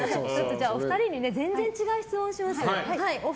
お二人に全然違う質問します。